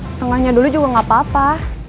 setengahnya dulu juga gak papa